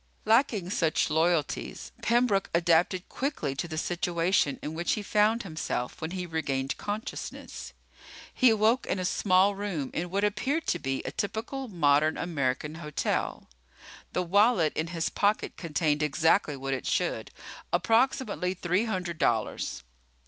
Lacking such loyalties, Pembroke adapted quickly to the situation in which he found himself when he regained consciousness. He awoke in a small room in what appeared to be a typical modern American hotel. The wallet in his pocket contained exactly what it should, approximately three hundred dollars.